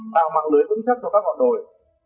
tạo mạng lưới vững chắc cho các ngọn đồi